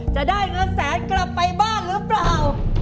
จะได้เงินแสนกลับไปบ้านหรือเปล่า